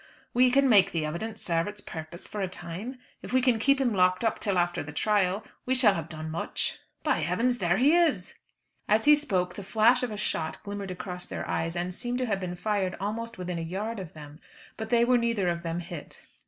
"We can make the evidence serve its purpose for a time. If we can keep him locked up till after the trial we shall have done much. By heavens, there he is!" As he spoke the flash of a shot glimmered across their eyes, and seemed to have been fired almost within a yard of them; but they were neither of them hit.